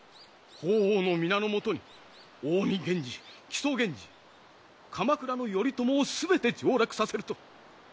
法皇の御名のもとに近江源氏木曽源氏鎌倉の頼朝を全て上洛させると。